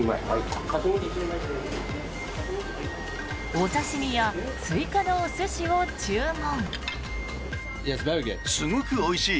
お刺し身や追加のお寿司を注文。